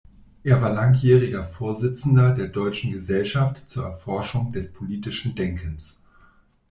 Er war langjähriger Vorsitzender der Deutschen Gesellschaft zur Erforschung des politischen Denkens.